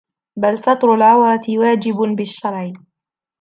بَلْ سَتْرُ الْعَوْرَةِ وَاجِبٌ بِالشَّرْعِ